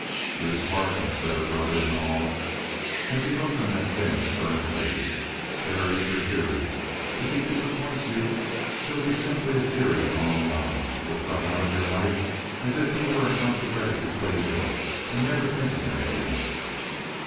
"You're a Spartan," said her brother in awe, as he looked on that thin, stern face. "Terry is your theory. If he disappoints you, he'll be simply a theory gone wrong. You'll cut him out of your life as if he were an algebraic equation and never think of him again."